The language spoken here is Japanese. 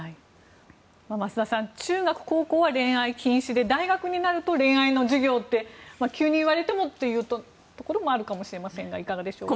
増田さん中学・高校は恋愛禁止で大学になると恋愛の授業って急に言われてもというところがあるかもしれませんがいかがでしょうか？